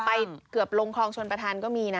ไปเกือบลงคลองชนประธานก็มีนะ